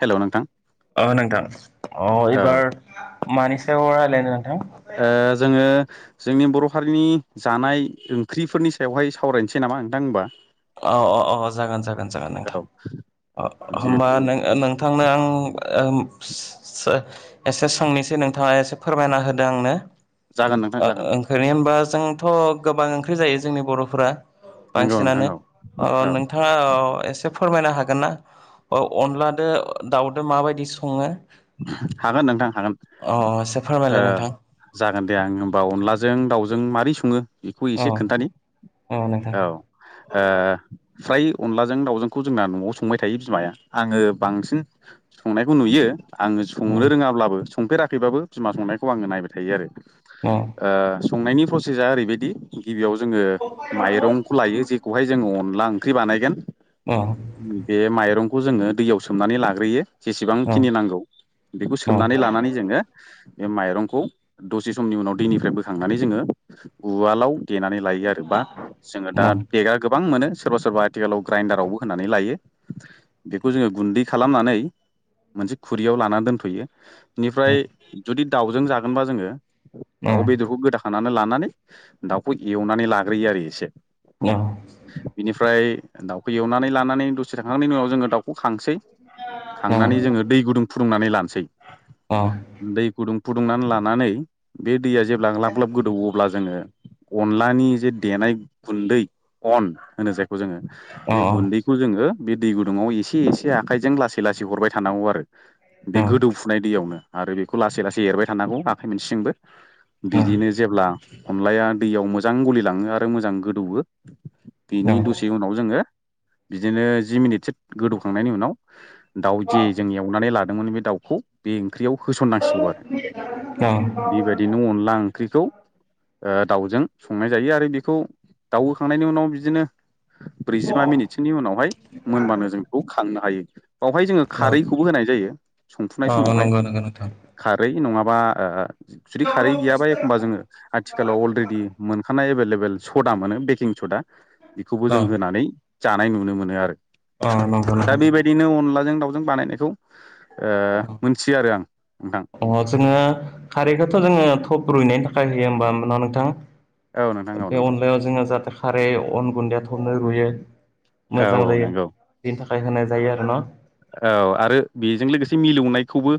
हेल' नोंथां अ नोंथां अ औ एबार मानि सायाव रायलायनो ओ नोंथां जोङो जोंनि बर' हारिनि जानाय ओंख्रिफोरनि सायावहाय सावरायनोसै नामा नोंथां होमबा अ अ अ जागोन जागोन जागोन नोंथां औ अ होमबा जिहेथु नो नोंथांनो आं ओम एसे सोंनोसै नोंथाङा एसे फोरमायना होदो आंनो जागोन नोंथां ओ जागोन ओंख्रिनि होमबा जोंथ' गोबां ओंख्रि जायो जोंनि बर' फोरा नंगौ नोंथां औ अ औ नोंथाङा अ एसे फोरमायनो हागोन ना अनलादो दाउदो माबायदि सङो हागोन नोंथां हागोन अ एसे ओ फोरमायलाय नोंथां। जागोन दे आं होमबा अनलाजों दाउजों जों मारै सङो बेखौ अ एसे खोन्थानि अ नोंथां औ ओ फ्राय अनलाजों दावजोंखौ जोंना न'आव संबाय थायो बिमाया आङो बांसिन संनायखौ नुयो आङो अ संनो रोङाब्लाबो संफेराखैबाबो बिमा संनायखौ आङो नायबाय थायो आरो अ ओ संनायनि प्रसेसा ओरैबायदि गिबियाव जोङो माइरंखौ लायो जेखौहाय जोङो अन ला ओंख्रि बानायगोन अ बे माइरंखौ जोङो दैयाव सोमनानै लाग्रोयो अ जेसेबांखिनि नांगौ बेखौ अ सोमनानै लानानै जोङो बे माइरंखौ दसे समनि उनाव दैनिफ्राय बोखांनानै जोङो उवालाव देनानै लायो आरो बा अ नंगौ नोंथां अ जोङो दा देग्रा गोबां मोनो सोरबा सोरबा आथिखालाव ग्रानडारावबो होनानै लायो बेखौ जोङो गुन्दै खालामनानै मोनसे खुरियाव लाना दोनफै'यो इनिफ्राय जुदि दाउजों जागोनबा जोङो दाउ बेदरखौ गोदाखानानै लानानै दाउखौ एवनानै लाग्रोयो आरो एसे बिनिफ्राय दाउखो एवनानै लानानै दसे थांखांनायनि उनाव जोङो दाउखौ खांसै खांनानै जोङो दै गुदुं फुदुंनानै लानोसै दै गुदुं फुदुंनानै लानानै बे दैया जेब्ला ग्लाब-ग्लाब गोदौवो अब्ला जोङो अनलानि जे देनाय गुन्दै अन होनो जायखौ जोङो बे गुन्दैखौ जोङो बे दै गुदुङाव एसे एसे आखाइजों लासै लासै हरबाय थानांगौ आरो बे गोदौफुनाय दैयावनो आरो बेखौ लासै लासै एरबाय थानांगौ आखाइ मोनसेंबो बिदिनो जेब्ला अनलाया दैयाव मोजां गलिलाङो आरो मोजां गोदौवो बिनि दसे उनाव जोङो बिदिनो जि मिनिटसो गोदौखांनायनि उनाव दाउ जे जों एवनानै लादोंमोन बे दाउखौ बे ओंख्रियाव होसननांसिगौ आरो बेबायदिनो अनला ओंख्रिखौ ओ दाउजों संनाय जायो आरो बेखौ दाउ होखांनायनि उनाव बिदिनो ब्रैजिबा मिनिटसोनि उनावहाय मोनबानो जों बेखौ खांनो हायो बावहाय जोङो खारै खौबो होनाय जायो संफुनाय समावहाय खारै नङाबा जुदि खारै गैयाबा एखमबा जोङो आथिखालाव अलरेडि मोनखानाय एभेलेबेल सदा मोनो बेकिं सदा बेखौबो जों होनानै जानाय नुनो मोनो आरो नंगौ दा नंगौ बेबायदिनो अनलाजों दाउजों बानायनायखौ ओ मोनथियो आरो आं नोंथां अ जोङो खारैखोथ' जोङो थब रुइनायनि थाखाय होयो होमबा न' नोंथां औ नोंथां औ बे नंगौ अनलायाव जोङो [unintelligible] खारै अन गुन्दैया थबनो रुयो औ मोजां औ जायो नंगौ बेनि थाखाय होनाय जायो आरो न' औ आरो बेजों लोगोसे मिलौनाय खौबो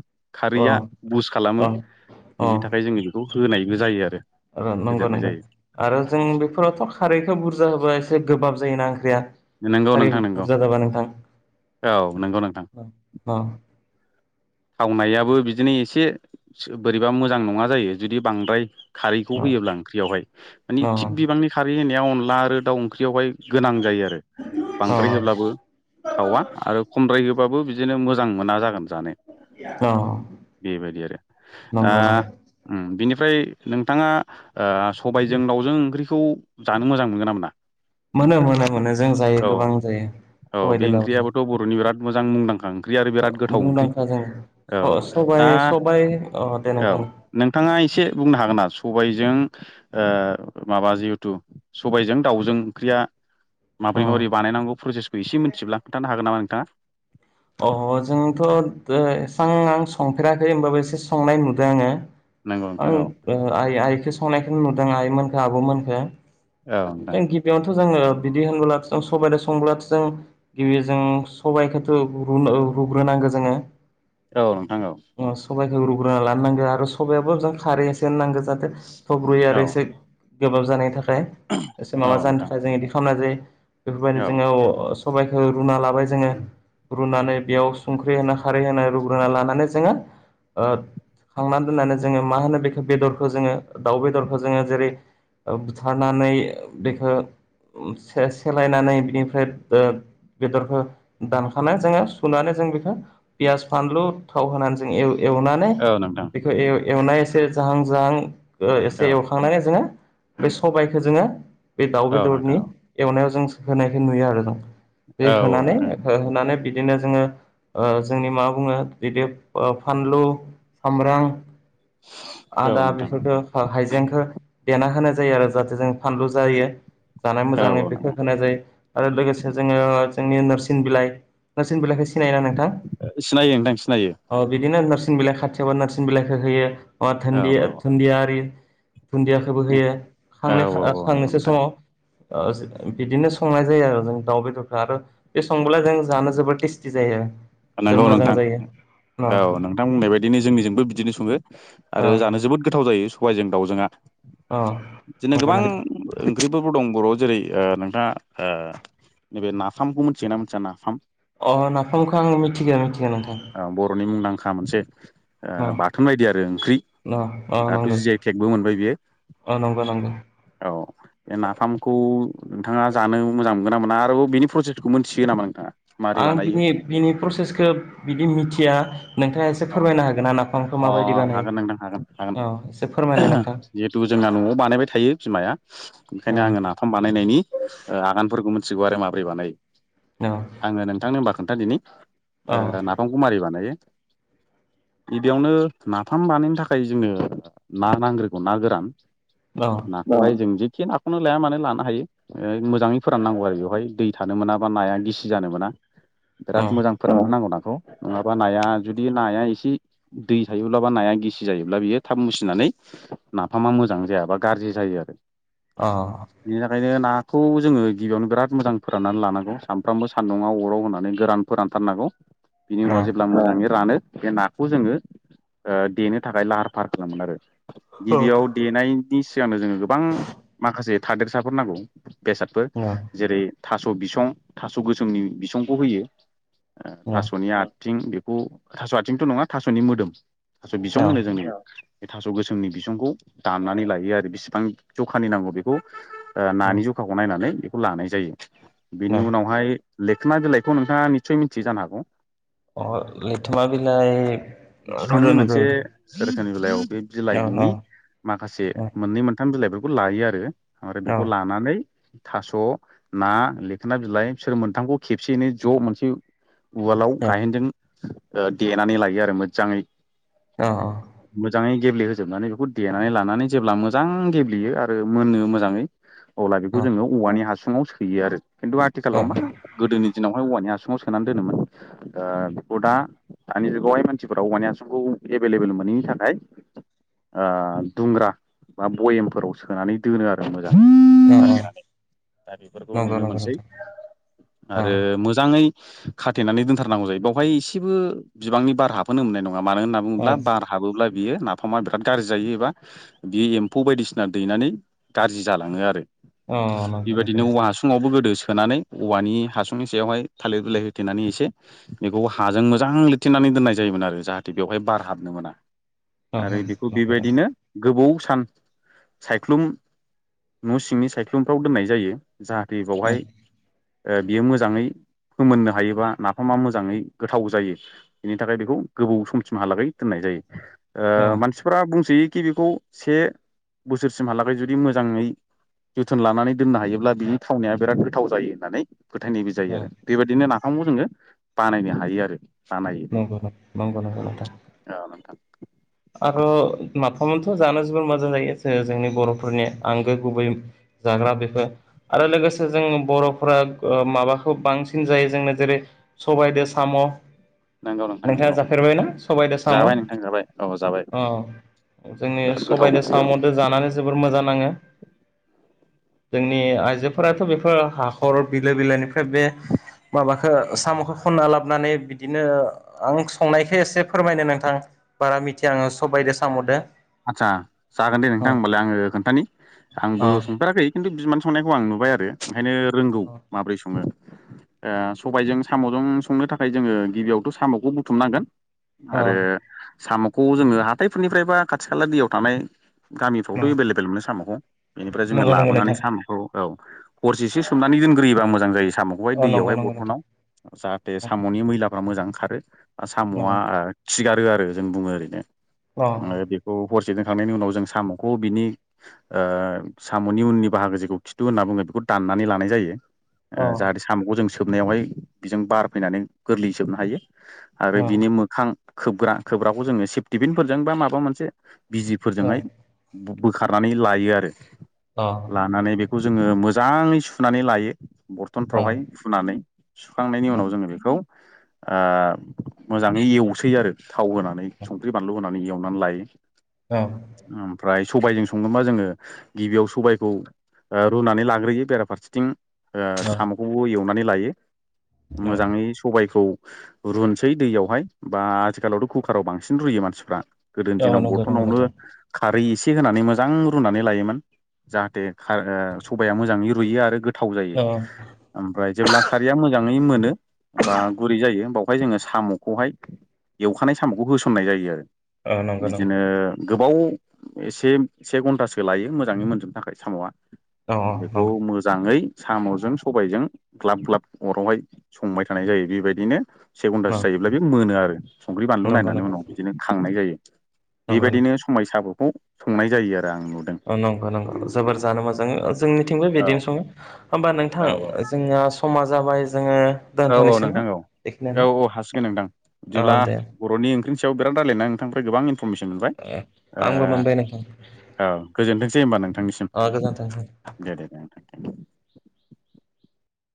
अ खारैआ बुस अ खालामो बिनि थाखाय जोङो बेखौ होनायबो जायो आरो औ- नंगौ होदेरनाय नंगौ जायो आरो जों बेफोरावथ' खारैखौ बुरजा होबा एसे गोबाब जायोना ओंख्रिआ। नोंगौ खारि नोंथां नोंगौ बुरजा जाबा नोंथां? औ नोंगौ खावनायाबो बिदिनो एसे बोरैबा मोजां नङा जायो जुदि बांद्राय खारैखौ होयोब्ला ओंख्रियावहाय मानि अ थिग बिबांनि खारै होनाया अनला आरो दाउ ओंख्रियावहाय गोनां जायो आरो अ बांद्राय होब्लाबो थावा आरो खमद्राय होब्ला बाबो बिदिनो मोजां मोना जागोन जानो। अ बेबायदि आरो दा नंगौ नंगौ बिनि -फ्राय नोंथाङा सबायजों दाउजों ओंख्रिखौ जानो मोजां मोनगोन ना मोना मोनो-मोनो-मोनो जों जायो औ गोबां जायो औ बे सबायदो दाउजों। ओंख्रियाबोथ' बर'नि बिराद मोजां मुंदांखा ओंख्रि आरो बिराद गोथाव ओंख्रि। मुंदांखा जों औ। सबाय दा सबाय अ दे औ। नोंथां नोंथाङा एसे बुंनो हागोन ना स सबायजों माबा जिहेथु सबायजों दाउजों ओंख्रिया अ माबोरै माबोरै बानायनांगौ प्रसेसखौ एसे मिनथिब्ला खोन्थानो हागोन नामा नोंथाङा? अह जोंथ' एसां आं संफेराखै होमबाबो एसे संनाय नुदो आङो। नंगौ नोंथां औ आं आइ-आइखौ संनायखौ नुदों आइमोनखो आब'मोनखो। औ नोंथां थें गिबियावथ' जोङो बिदि होनोब्लाथ' जों सबायजों संबोलाथ' जों गिबि जों सबाइखोथ' रुनो रुग्रो नांगो जोङो। औ नोंथां औ। ओ सबाइखौ रुग्रोना लानो नांगो आरो सबायावबो खारै एसे होनो नांगो जाहाथे थब रुयो आरो एसे गोबाब जानायनि थाखाय एसे औ माबा जानो नोंथां थाखाय जों इदि खालामनाय जायो। बेफोरबायदि औ जोङो अ सबायखौ रुना लाबाय जोङो। रुनानै बेयाव संख्रि होनो खारै होनो रुग्रोना लानानै जोङो ओ खांनानै दोननानै जोङो मा होनो बेखो बेदरखौ जोङो दाउ बेदरखौ जोङो जेरै ओ बुथारनानै बेखो से-सेलायनानै बिनिफ्राय ओ बेदरखौ दान [unintelligible] नो जोङो सुनानै जों बेखौ पियास फानलु थाव होनानै जों एव एवनानै औ नोंथां बेखो एव-एवनाय एसे जाहां जाहां ओ औ एसे एवखांनानै जोङो बे सबायखो जोङो बे दाउ औ बेदरनि नोंथां एवनायाव जों होनायखौ नुयो आरो जों। दै औ औ होनानै नोंथां हो होनानै बिदिनो जोङो ओ जोंनि मा बुङो बिदि फानलु, सामब्रां, औ आदा नोंथां बेफोरखो ह-हाइजेंखो देना होनाय जायो आरो जाहाथे जों फानलु जायो जानाय औ मोजाङै बेखो नोंथां होनाय जायो। आरो लोगोसे जोङो जोंनि नोरसिं बिलाइ नोरसिं बिलाइखो सि सिनायो ना नोंथां। सिनायो नोंथां सिनायो औ बिदिनो नोरसिं बिलाइ खाथियावबा नोरसिं बिलाइखो होयो। अह औ औ धोनदि-धोनदिया आरि। धुन्दियाखोबो होयो, खांनाय औ ओ औ औ नंगौ खांनोसो नोंथां समाव। ओ बिदिनो संनाय जायो आरो जों दाउ बेदरखो आरो ए संबोला जों जानो जबोद टेस्टि जायो ज नंगौ मोजां नोंथां जायो। अ औ नोंथां बुंनाय बादिनो जोंनिजोंबो बिदिनो सङो अ आरो जानो जोबोद गोथाव जायो सबायजों दाउजोङा। अ बिदिनो नंगौ गोबां नोंथां ओंख्रिफोरबो दं बर' जेरै ओ नोंथाङा ओ नैबे नाफामखौ मोनथियोना मोनथिया नाफाम? अह नाफामखौ आं मिथिगो मिथिगो नोंथां। ओ बर'नि मुंदांखा मोनसे अ ओ बाथोन बायदि आरो ओंख्रि अ अ दाथ' नंगौ जि आइ टेकबो मोनबाय बियो। अ नंगौ नंगौ औ बे नाफामखौ नोंथाङा जानो मोजां मोना मोना आरोबाव बिनि फ्रसेसखौ मोनथियो नामा नोंथाङा? मारै आं बानायो बिनि बिनि प्रसेसखो बिदि मिथिया। नोंथाङा एसे अ फोरमायनो हागोनना नाफामखौ अ माबायदि बानायो? हागोन नोंथां हागोन हागोन औ एसे फोरमायलाय नोंथां। जिहेथु जोंना न'आव बानायबाय थायो बिमाया। ओंखायनो आङो ओम नाफाम बानायनायनि ओ आगानफोरखौ मि थिगौ आरो माब्रै बानायो। औ आङो नोंथांनो होमबा खोन्थादिनि। औ ओ नाफामखौ मारै बानायो। [inaudible] गिबियावनो नाफाम बानायनो थाखाय जोङो ना नांग्रोगौ ना गोरान। नाखौहाय जों जि खि नाखौनो लाया मानो लानो हायो। ओ मोजाङै फोराननांगौ आरो बेवहाय दै थानो मोना बा नाया गिसि जानो मोना। औ बिराद अ मोजां फोरान्नो नांगौ नाखौ, नङाबा नाया जुदि नाया एसे दै थायोब्ला बा नाया गिसि जायोब्ला बियो थाब मुसिनानै नाफामा मो जां जाया बा गाज्रि जायो आरो अ बिनि थाखायनो ना खौ जोङो गिबियावनो बिराद मोजां फोराननानै लानांगौ, सानफ्रामबो सान्दुंङाव अराव होनानै गोरान फोरानथारनांगौ। बिनि उनाव जेब्ला मोजाङै रानो बे नाखौ जोङो देनो थाखाय लाहार फाहार खालामो आरो गिबियाव देनायनि सिगांनो जोङो गोबां माखासे थादेरसाफोर नांगौ बेसादफोर जेरै थास' बिसं थास' गोसोमनि बिसंखौ होयो ओ थास'नि आथिं बेखौ थास' आथिंथ' नङा थास'नि मोदोम स' बिसं अ होनो जोंनिया ए थास' गोसोमनि बिसुंखौ दाननानै लायो आरो बिसिबां जखानि नांगौ बेखौ ओ नानि जखाखौ नायनानै बेखौ लानाय जायो बिनि अ उनावहाय लेखोना बिलाइखौ नोंथाङा निस्सय मिथियो जानो हागौ अ लेथोमा बिलाय नुदो नुदों नुदो गोथनि बेलायाव बे बिलाइनि माखासे मोननै मोनथाम बिलाइफोरखौ लायो आरो ओमफ्राय औ बेखौ लानानै थास' ना लेखोना बिलाइ बिसोर मोनथामखौ खेबसेयनै ज' मोनसे उवालाव गायेनजों देनानै लायो आरो मोजाङै अ मोजाङै गेब्लेहोजोबनानै बेखौ देनानै लानानै जेब्ला मोजां गेब्लेयो आरो मोनो मोजाङै अब्ला बेखौ औ जोङो औवानि हासुङाव सोयो आरो खिन्थु औ आथिखालाव मा गोदोनि दिनावहाय औवानि हासुं ङाव सोनानै दोनोमोन ओ बेखौ दा दानि जुगावहाय मानसिफोरा औवानि हासुंखौ एभेलेबेल मोनैनि थाखाय ओ दुंग्रा बा बयेमफोराव सोनानै दोनो आरो [unintelligible] औ औ दा बेफोरखौ नंगौ नुनो नंगौ मोनसै नोंथां आरो नंगौ मोजाङै खाथेनानै दोनथारनांगौ जायो बेवहाय एसेबो बिबांनि बार हाबहोनो मोननाय नङा मानो होनना बुङोब्ला बार हाबोब्ला बियो नाफामा बिराद गाज्रि जायो एबा बियो एम्फौ बायदिसिना दैनानै गाज्रि जालाङो आरो बेबायदिनो औवा हासुङावबो गोदोसो सोनानै औवानि हासुंनि सायावहाय थालिर बिलाइ होथेनानै एसे बेखौ हाजों मोजां लिर थेनानै दोननाय जायोमोन आरो जाहाथे बेवहाय बार हाबनो मोना आरो बेखौ बेबायदिनो गोबाव सम सान सायख्लुम न' सिंनि सायख्लुमफ्राव दोननाय जायो जाहाथे बावहाय ओ बियो मोजाङै फोमोननो हायोबा नाफामा मोजाङै गोथाव जायो बिनि थाखाय बेखौ गोबाव समसिमहालागै दोननाय जायो ओ मानसिफ्रा बुङो कि बेखौ से बोसोरसिमहालागै जुदि मोजाङै जोथोन लानानै दोननो हायोब्ला बिनि थावनाया बिराद गोथाव जायो होननानै फोथायनायबो जायो आरो बेबायदिनो नाफामखौ जोङो बानायनो हायो आरो बानायो नंगौ नंगौ नंगौ नोंथां [unintelligible] ओ माफामाथ जानो जोबोर मोजां जायो ज जोंनि बरफोरनि आंगो गुबै जाग्रा आरो लोगोसे जों बरफोरा माबाखौ बांसिन जायो जों जेरै सबायाइदो साम नंगौ नोंथां नोंथाङा नंगौ जाफेरबायनाा सबायदो साम जाबाय नोंथां जाबाय औ जाबाय अ जोंनि बिराद गोथाव सबायाइजों ओंख्रि औ सामद जानानै जोबोर मोजां नाङो जोंनि आइजोफोराथ बेफोर हाखर बिलो बिलोनिफ्राय बे माबाखौ सामखौ खनना लाबोनानै बिदिनो आं संनायखौ एसे फोरमायनो नोंथां बारा मिथिया आङो सबाइदो साम''दो आचसा जागोन दे अ नोंथां होमबालाय आङो खोन्थानि अ आंबो संफेराखै खिन्थु बिमान संनायखौ आं नुबाय आरो ओंखायनो रोंगौ माबोरै सङो ओ सबायजों सामजों संनो थाखाय जोङो गिबियावथ सामखौ बुथुमनांगोन अ आरो सामखौ जोङो हाथायफोरनिफ्रायबा खाथि खाला दैयाव थानाय गामिफ्रावथ एभेलेबेल मोनो सामखौ बेनिफ्राय जोङो नंगौ नंगौ लाबोनानै नोंथां सामखौ औ हरसेसो सोमनानै दोनग्रोयोबा मोजां जायो। सामखौहाय अ नंगौ दैयावहाय नंगौ नोंथां बथनाव जाहाथे अ सामनि मैलाफ्रा मोजांं खारो अ सामआ खिगारो आरो जों बुङो ओरैनो अ हरसेजों थांनायनि उनाव जों सामखौ बिनि ओ साम'नि उननि बाहागो जेखौ खिथु होनना बुं जोङो बेखौ दाननानै लानाय जायो। ओ जाहाथे सामखौ जों सोबनायावहाय बेजों बार फैनानै गोरलैयै सोबनो हायो आरो बिनि मोखां खोब्रा खोबग्राखौ जोङो सेफटिबिनफोरजों बा माबा मोनसे अ बिजिफोरजोंहाय बोखारनानै लायो आरो लानानै बेखौ जोङो मो मोजाङै सुनानै लायो बरथनफ्रावहाय सुनानै सुखांनायनि उनाव जोङो बेखौ ओ मोजाङै एवसै आरो थाव होनानै संख्रि बानलु होनानै एव ल ओमफ्राय सबायजों सङोबोबा जोङो गिबियाव सबायखौ ओ रुनानै लाग्रोयो बेराफारसेथिं ओ साम'खौबो एवनानै लायो मोजाङै सबायखौ रुनोसै दैयावहाय बा आथिखालावथ कुकार आाव बांसिन रुयो मानसिफ्रा गोदोनि अ दिनाव नंगौ नंगौ फटनावनो नोंथां खारै एसे होनानै मोजां रुनानै लायोमोन जाहाथे ओ सबाया मोजाङै रुइयो आरो गोथाव जायो अ ओमफ्राय जेब्ला खारैया मोजाङै मोनो बा गुरै जायो बावहाय जोङो साम'खौहाय एवखानाय साम'खौ होसननाय जायो आरो औ नंगौ नंगौ बिदिनो गोबाव एसे से घन्टासो लायो मोजाङै मोनजोबनो थाखाय साम'आ अ बेखौ मोजाङै सामजों सबायजों ग्लाब ग्लाब अरावहाय संबाय थानाय जायो बेबायदिनो से घन्टासो नंगौ जायोब्ला बे मोनो आरो संख्रि बानलु नंगौ नायनानै उनाव बिदिनो खांनाय जायो। नंगौ बेबायदिनो समायसाबोखौ संनाय जायो आरो आं नुदों नंगौ नंगौ जोबोर जानो मोजां जोंनिथिंबो औ बिदिनो सङो होमबा नोंथां औ औ जोंनिया दा समा जाबाय जोङो औ औ दोनथ'नोसै नोंथां न' औ औ बेखिनियानो औ हासिगोन नोंथां औ बिदिब्ला दे बर'नि ओंख्रि सायाव बिराद रायज्लायना नोंथांफ्राय गोबां इनफरमेसन मोनबाय ओ आंबो मोनबाय नोंथां औ गोजोनथोंसै होनबा नोंथांनिसिम अ गोजोन्थों दे दे दे नोंथां